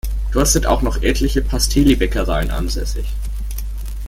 Dort sind auch noch etliche Pasteli-Bäckereien ansässig.